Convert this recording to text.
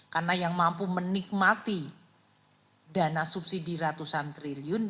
karena yang mampu menikmati dana subsidi ratusan triliun